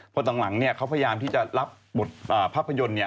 เพราะต่างหลังเนี่ยเขาพยายามที่จะรับบทภาพยนตร์เนี่ย